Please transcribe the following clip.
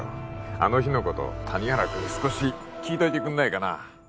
あの日のこと谷原君に少し聞いといてくんないかな？